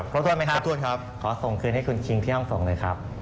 ขอโทษไหมครับขอส่งคืนให้คุณคิงที่ห้องส่งเลยครับ